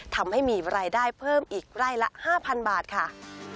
ทำให้มีรายได้เพิ่มอีกไร่ละ๕๐๐๐บาทค่ะ